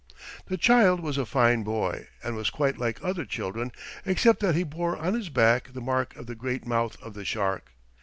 The child was a fine boy, and was quite like other children except that he bore on his back the mark of the great mouth of the shark.